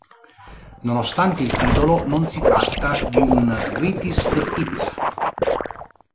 Nonostante il titolo, non si tratta di un greatest hits.